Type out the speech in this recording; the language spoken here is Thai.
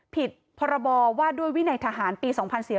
ผิดพรบว่าด้วยวินัยทหารปี๒๔๙